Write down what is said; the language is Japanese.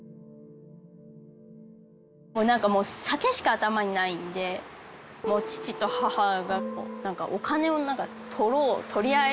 もう何かもう酒しか頭にないんで父と母が何かお金を取ろう取り合いになってて。